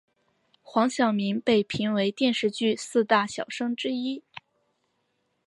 黄晓明被评为电视剧四大小生之一。